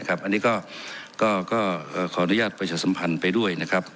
อันนี้ก็ขออนุญาตประชาสัมพันธ์ไปด้วยนะครับ